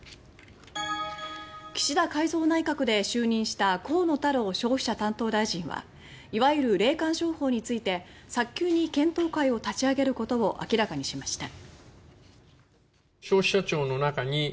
岸田改造内閣で就任した河野太郎消費者担当大臣はいわゆる霊感商法について早急に検討会を立ち上げることを明らかにしました。